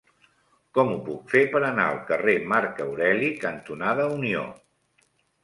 Com ho puc fer per anar al carrer Marc Aureli cantonada Unió?